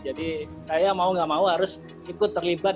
jadi saya mau nggak mau harus ikut terlibat